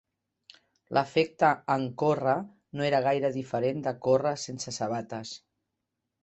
L'efecte en córrer no era gaire diferent de córrer sense sabates.